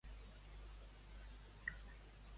Quin és el partit al que pertanyia Nuet?